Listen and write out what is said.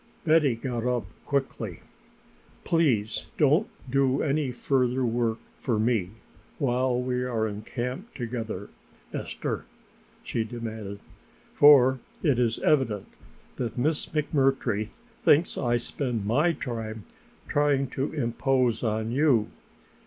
Betty got up quickly. "Please don't do any further work for me while we are in camp together, Esther," she demanded, "for it is evident that Miss McMurtry thinks I spend my time trying to impose upon you.